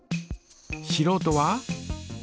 しろうとは？